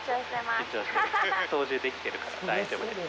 操縦できてるから大丈夫です。